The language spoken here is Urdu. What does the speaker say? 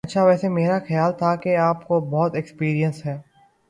اچھا ویسے میرا خیال تھا کہ آپ کو بہت ایکسپیرینس ہے